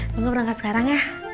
mau gue berangkat sekarang ya